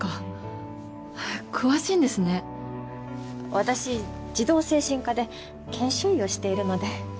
私児童精神科で研修医をしているので。